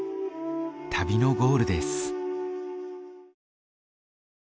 旅のゴールです。